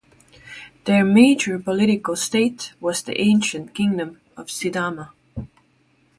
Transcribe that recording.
Their major political state was the ancient Kingdom of Sidama.